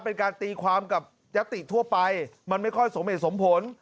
เป็นการตีความกับยัตติทั่วไปมันไม่ค่อยสมเหตุสมผล